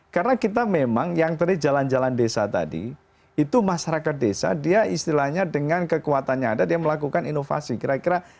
karena kita memang yang tadi jalan jalan desa tadi itu masyarakat decided istilahnya dengan kekuatannya ada dia melakukan inovasi the kira kira